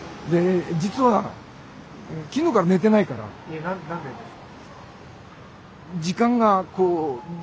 えっ何でですか？